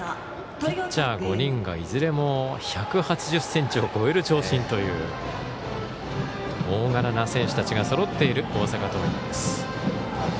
ピッチャー５人がいずれも１８０ｃｍを超える長身という大柄な選手たちがそろっている大阪桐蔭です。